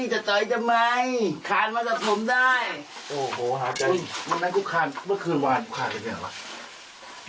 จะเเต๋ยทะเมย์ขาดมาจัดผมได้นั้นกูขาดวันคืนวานกูขาดเป็นยังไงวะ